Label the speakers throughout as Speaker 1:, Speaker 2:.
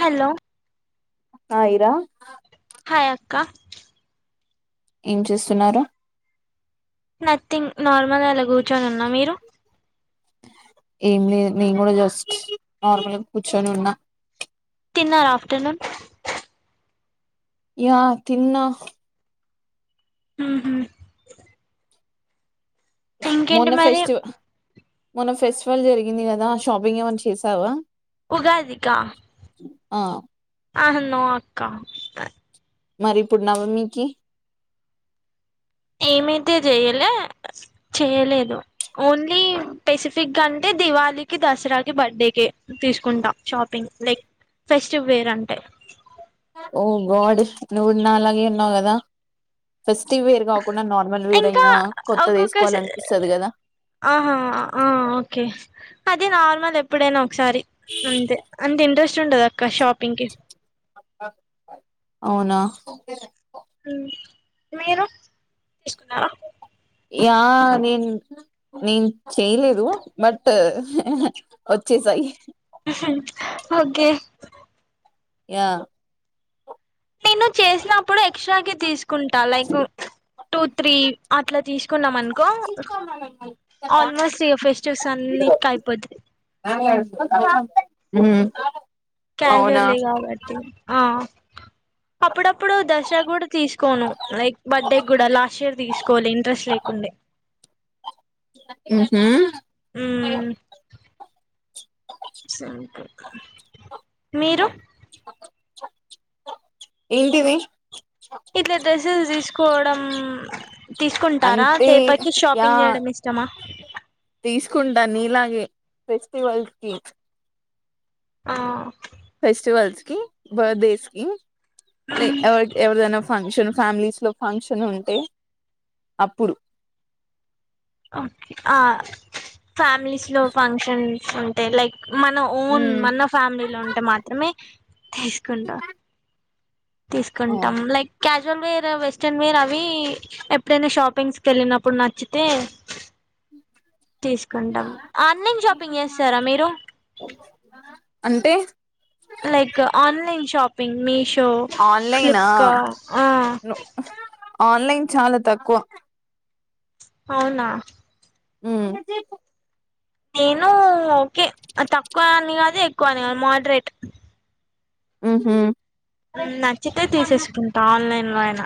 Speaker 1: Hello
Speaker 2: hi రా
Speaker 1: hi అక్క
Speaker 2: ఏం చేస్తున్నారు
Speaker 1: నథింగ్ నార్ మనలా కూర్చొని ఉన్నా మీరు
Speaker 2: ఏం లే నేను కూడా జస్ట్ నార్మల్గా కూర్చొని ఉన్నా
Speaker 1: తిన్నారా ఆఫ్టర్నూన్
Speaker 2: యా తిన్నా
Speaker 1: ఊహూ
Speaker 2: మొన్న ఫెస్ట్ మొన ఫెస్టివల్ జరిగింది కదా షాపింగ్ ఏమన్నా చేసావా
Speaker 1: ఉగాదికా
Speaker 2: ఆ
Speaker 1: ఆహా నో అక్క
Speaker 2: మరి ఇప్పుడు నవమికి
Speaker 1: ఏమైతే చేయలే చేయలేదు ఓన్లీ పెసిఫిగ్గా అంటే దివాళికి దసరాకి బర్త్డేకె తీసుకుంటాం షాపింగ్ లైక్ ఫెస్టివ్ వేర్ అంటే
Speaker 2: ఓ గాడ్ నువ్వు నాలాగే ఉన్నావు కదా ఫెస్టివ్ వేర్ కాకుండా నార్మల్ వేర్
Speaker 1: ఇంకా
Speaker 2: అయినా కొత్తది
Speaker 1: ఒక్కొక్క
Speaker 2: వేసుకోవాలనిపిస్తది కదా
Speaker 1: ఆహా ఆ ఓకే అదే నార్మల్ ఎప్పుడేనా ఒక్క సారి అంతే అంత ఇంట్రెస్ట్ చుంటదక్క షాపింగ్ కి
Speaker 2: అవునా
Speaker 1: హు మీరు తీసుకున్నారా
Speaker 2: యా నేను నేను చేయలేదు బట్ హా హా వచ్చే సయి
Speaker 1: ఓకే
Speaker 2: ఆ
Speaker 1: నేను చేసినప్పుడు ఎక్స్ట్రా కి తీసుకు కుంటా లైక్ టూ త్రీ అట్లా తీసుకున్నాం అనుకో ఆల్మోస్ట్ ఇక ఫెస్టివ్స్ అన్నిట్కి అయిపోతది
Speaker 2: ఊ
Speaker 1: క్యాజువల్లీ కాబట్టి ఆ అప్పుడప్పుడు దశరా కూడా తీసుకోను లైక్ బర్త్డే కూడా లాస్ట్ ఇయర్ తీసుకోలె ఇంట్రెస్ట్ లేకుండే
Speaker 2: ఊహూ
Speaker 1: సంత మీరు
Speaker 2: ఏంటివి
Speaker 1: ఇట్లా డ్రెస్సెస్ తీసుకోవడం తీసుకుంటారా
Speaker 2: అంటే
Speaker 1: తేపకి
Speaker 2: యా
Speaker 1: షాపింగ్ చేయడం ఇష్టమా
Speaker 2: ఫెస్టివల్కి
Speaker 1: ఆ
Speaker 2: ఫెస్టివల్స్ కి బర్డేస్ కి రీ ఏ ఎవ్వరిదన్న ఫంక్షన్ ఫ్యామిలీస్ లో ఫంక్షన్ ఉంటే అప్పుడు
Speaker 1: ఆ ఫ్యామిలీస్ లో ఫంక్షన్ అంటే లైక్ మన ఓన్
Speaker 2: ఉమ్
Speaker 1: మన ఫ్యామిలీలోంటె మాత్రమే తీసుకుంట తీసుకుంటాం
Speaker 2: అవును
Speaker 1: లైక్ క్యా జువేర్ వెస్టర్న్ వేర్ అవి ఎప్పుడైనా షాపింగ్స్క షాపింగ్స్కేళ్ళినప్పుడు నచ్చితే తీసుకుంటాం ఆన్లైన్ షాపింగ్ చేస్తారా మీరు
Speaker 2: అంటే
Speaker 1: like online shopping Meesho
Speaker 2: ఆన్లైనా
Speaker 1: ఫ్లిప్కా ఆ
Speaker 2: ఆన్లైన్ చాలా తక్కువ
Speaker 1: అవునా
Speaker 2: ఊ
Speaker 1: నేను ఓకే తక్కువ అని కాదు, ఎక్కువ అని కాదు మోడరేట్.
Speaker 2: ఆహ
Speaker 1: నచ్చితే తీసేసుకుంటా ఆన్లైన్లొ అయిన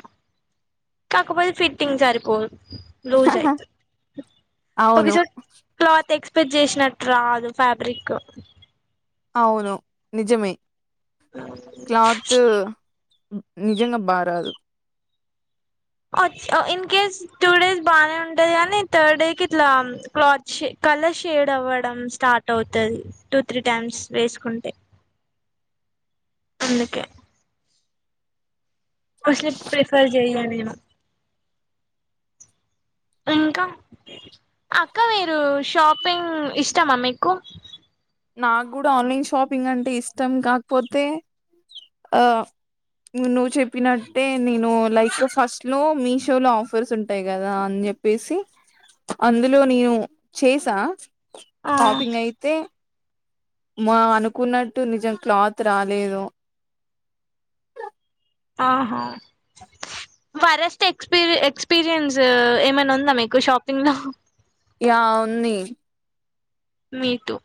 Speaker 1: కాకపోతే ఫిట్టింగ్ సరిపోదు.
Speaker 2: హహ
Speaker 1: రోజయి క
Speaker 2: అవును
Speaker 1: సో క్ల పట్ చేసినట్టు రాదు ఫ్యాబ్రిక్.
Speaker 2: అవును నిజమే క్లాతు నిజంగా బారాదు
Speaker 1: ఇన్ కేస్ టూ డేస్ బాగానే ఉంటది. కానీ థర్డ్ డేకి ఇట్లా క్లాత్ షే కలర్ షేడ్ అవ్వడం స్టార్ట్ అవుతది. టూ త్రీ టైమ్స్ వేసుకుంటే అందుకే కొస ప్రిఫర్ చెయాల ఇంకా అక్క మీరు షాపింగ్ ఇష్టమా మీకు.
Speaker 2: నాకు కూడా ఆన్లైన్ షాపింగ్ అంటే ఇష్టం. కాకపోతే నా నువ్వు చెప్పినట్టే నేను లైఫ్ ఫస్ట్ లో మీషోలో ఆఫర్స్ ఉంటాయి కదా అని చెప్పేసి, అందులో నేను చేసా.
Speaker 1: ఆ
Speaker 2: షాపింగ్ అయితే మా అనుకున్నట్టు నిజం క్లాత్ రాలేదు.
Speaker 1: ఆహా వరస్ట్ ఎక్స్పీరి, ఎక్స్పీరియన్స్ ఏమైనా ఉందా మీకు షాపింగ్ లో.
Speaker 2: యా ఉంది
Speaker 1: మీతో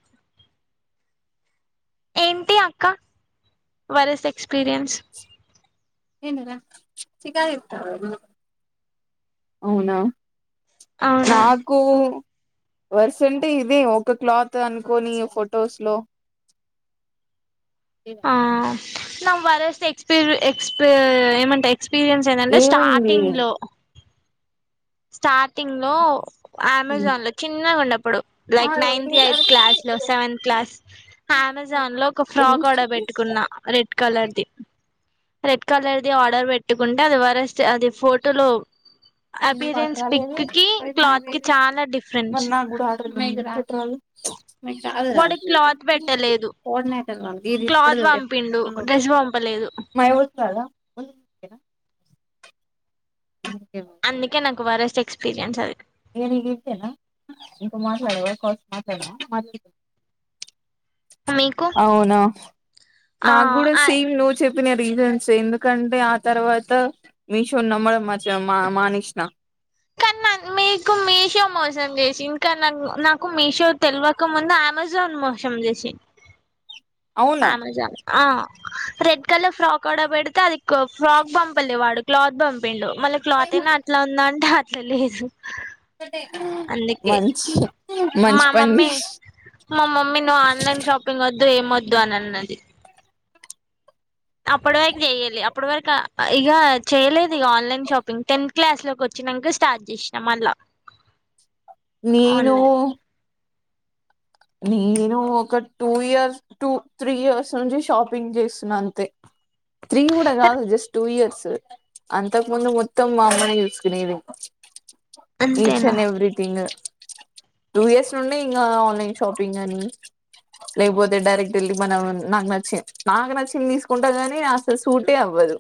Speaker 1: ఏంటి అక్క వరెస్ట్ ఎక్స్పీరియన్స్
Speaker 2: ఏనరా చ అవునా
Speaker 1: అవునా
Speaker 2: నాకు వర్స అంటే ఇదే ఒక క్లాత్ అనుకోని ఫొటోస్ లో ఇనా
Speaker 1: నమ్ వరెస్ట్ ఎక్స్పీర్ ఎక్స్పీ ఏమంటా ఎక్స్పీరియన్స్ ఏందంటే
Speaker 2: ఏమైంది
Speaker 1: స్టార్టింగ్ లో స్టార్టింగ్ లో అమెజాన్ లో చిన్నగా ఉన్నప్పుడు లైక్ నైత్, ఎయిత్ క్లాస్ లో సెవెన్త్ క్లాస్ అమెజాన్ లో ఒక ఫ్రాక్ ఆర్డర్ పెట్టుకున్నా రెడ్ కలర్ ది. రెడ్ కలర్ది ఆర్డర్ పెట్టుకుంటే అది వరస్ట్ అది ఫోటోలో
Speaker 2: ఇది మాకు
Speaker 1: అపీరియన్స్
Speaker 2: రాలేదే
Speaker 1: పిక్ కి
Speaker 2: అది న
Speaker 1: క్లాత్ కి చాలా డిఫరెన్స్
Speaker 2: మరి నాకు కూడా ఆర్డర్ పెట్రాదు. మీకు రాదు రా
Speaker 1: వాడు
Speaker 2: అది
Speaker 1: క్లాత్ పెట్టలేదు
Speaker 2: కోఆర్డినేటర్ వాళ్లకి ఇది
Speaker 1: క్లాత్
Speaker 2: ఇప్పుడుదు
Speaker 1: పంపిండు డ్రెస్ పంపలేదు
Speaker 2: మరి ఎవరికీ రాదా. కడా [inaudible]
Speaker 1: అందికే నాకు. ఒక వరస్ట్ ఎక్స్పీరియన్స్ అది.
Speaker 2: ఏది ఈగ ఇంతేనా ఇంకా మాట్లాడేవ కాల్స్ మాట్లాడవా.
Speaker 1: మీకు
Speaker 2: అవునా
Speaker 1: ఆ
Speaker 2: నాకు కూడా
Speaker 1: ఆ
Speaker 2: సేమ్ నువ్ చెప్ప. రీజన్స్ ఎందుకంటే ఆ తర్వాత మీషో నమ మా మా మానేసిన
Speaker 1: కానీ మాకు మీకు మీషో మోసం చేసి, ఇంకా నాకు మీషో తెలియక ముందు అమెజాన్ మోసం చేసి
Speaker 2: అవునా
Speaker 1: అమెజాన్ ఆ రెడ్ కలర్ ఫ్రాక్ ఆర్డర్ పెడితే అది కో ఫ్రాక్ పంపలే వాడు క్లాత్ పంపిండు మళ్ళ క్లాత్ అయినా అట్లా ఉందాం హ అట్ల లేదు అందుకే
Speaker 2: మంచి
Speaker 1: మా
Speaker 2: మంచి పని
Speaker 1: మమ్మీ మా మమ్మీ నువ్వు ఆన్లైన్ షాపింగ్ వద్దు ఏమ్ వద్ అన్నది అప్పటి వరకు చేయలే అప్పటి వరకు ఇగా చెయలేదు ఇక ఆన్లైన్ షాపింగ్ టెన్త్ క్లాస్ లోకి వచ్చాక స్టార్ట్ చేసినా మళ్ళ
Speaker 2: నేను నేను ఒక two years two three years నుంచి షాపింగ్ చేస్తున్నా అంతే త్రీ కూడా గాదు జస్ట్ టూ ఇయర్స్ అంతకు ముందు మొత్తం అమ్మనే చూసుకునేది ఈచ్
Speaker 1: అంతేనా
Speaker 2: అండ్ ఎవ్రీథింగ్ టూ ఇయర్స్ నుండి ఇంకా ఆన్లైన్ షాపింగ్ అని లేకపోతే డైరెక్ట్ వెళ్ళి మనం నాకు నచ్చింది నాకు నచ్చింది తీసుకుంటా గాని అసలు సూటే అవ్వదు